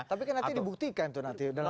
tapi kan nanti dibuktikan itu nanti